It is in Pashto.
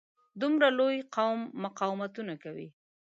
دومره لوی قوم مقاومتونه کوي.